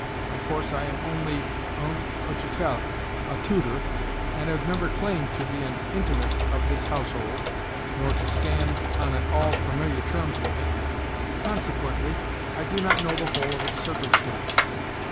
Of course I am only 'un utchitel,' a tutor, and have never claimed to be an intimate of this household, nor to stand on at all familiar terms with it. Consequently, I do not know the whole of its circumstances.